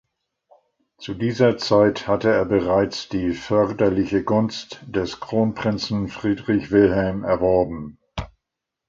Zu dieser Zeit hatte er bereits die förderliche Gunst des Kronprinzen Friedrich Wilhelm erworben.